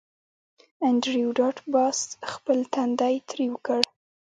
انډریو ډاټ باس خپل تندی ترېو کړ